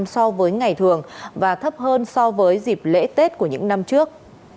so với ngày thường và thấp hơn so với dịp lễ tết của những năm trước